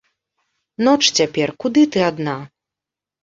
Ноч цяпер, куды ты адна?